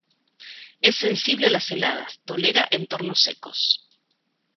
Es sensible a las heladas; tolera entornos secos.